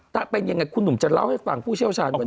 แต่เป็นอย่างไรคุณหนูจะเล่าให้ฟังผู้เชี่ยวชาญ